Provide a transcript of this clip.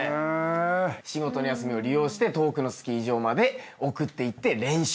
仕事の休みを利用して遠くのスキー場まで送っていって練習をする。